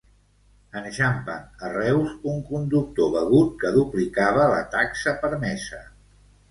Enxampen a Reus un conductor begut que duplicava la taxa permesa.